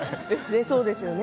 そうですよね。